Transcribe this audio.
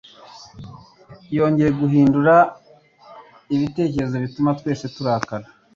Yongeye guhindura ibitekerezo, bituma twese turakara.